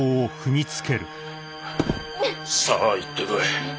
さあ行ってこい。